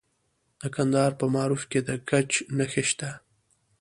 د کندهار په معروف کې د ګچ نښې شته.